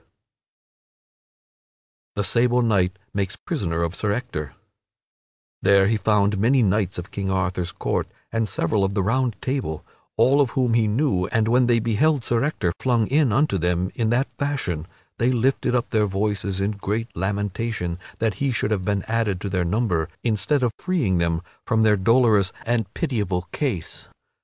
[Sidenote: The sable knight makes prisoner of Sir Ector] There he found many knights of King Arthur's court, and several of the Round Table, all of whom he knew, and when they beheld Sir Ector flung in unto them in that fashion they lifted up their voices in great lamentation that he should have been added to their number, instead of freeing them from their dolorous and pitiable case.